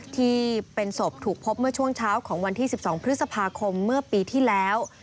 ที่เป็นศพถูกพบเมื่อช่วงเช้าของวันที่๑๒พฤษภาคมเมื่อปีที่แล้ว